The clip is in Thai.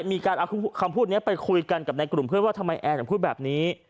มีการเอาคำพูดนี้ไปคุยกันกับในกลุ่มเพื่อนว่าทำไมแอร์ถึงพูดแบบนี้